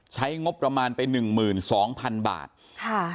ใช้งบประมาณไปหนึ่งหมื่นสองพันบาทค่ะ